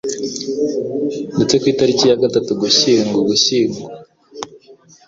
ndetse ku itariki ya gatatu ugushyingo Ugushyingo